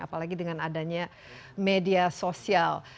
apalagi dengan adanya media sosial